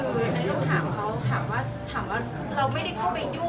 ก็เหมือนเราไม่ได้คุยกันมาสักปีหนึ่งเลย